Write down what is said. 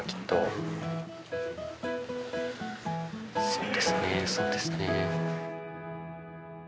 そうですねそうですね。